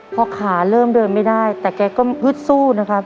พอขาเริ่มเดินไม่ได้แต่แกก็ฮึดสู้นะครับ